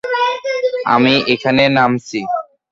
আমি এখানে নামছি।